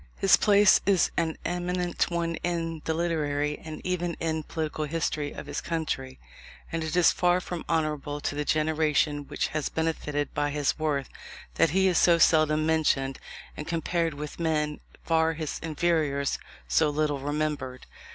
His place is an eminent one in the literary, and even in the political history of his country; and it is far from honourable to the generation which has benefited by his worth, that he is so seldom mentioned, and, compared with men far his inferiors, so little remembered.